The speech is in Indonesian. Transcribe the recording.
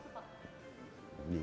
gak ada sepak